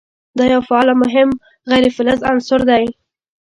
دا یو فعال او مهم غیر فلز عنصر دی.